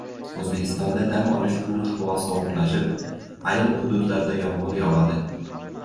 O‘zbekistonda dam olish kuni havo sovuqlashib, ayrim hududlarda yomg‘ir yog‘adi